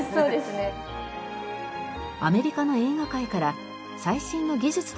アメリカの映画界から最新の技術と設備を取り入れ